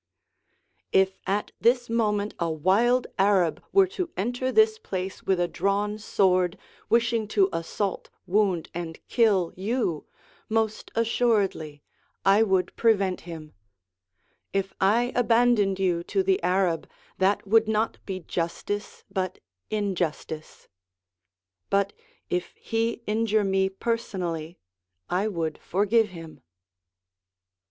If at this moment a wild Arab were to enter this place with a drawn sword, wishing to assault, wound, and kill you, most assuredly I would prevent him. If I abandoned you to the 1 A Bahai sitting with us at table. MISCELLANEOUS SUBJECTS 311 Arab, that would not be justice but injustice. But, if he injure me personally, I would forgive him.